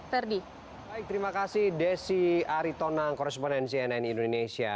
terima kasih desi aritona korrespondensi nni